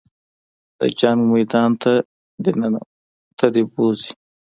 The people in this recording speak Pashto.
د جنګ میدان ته دې بوځي.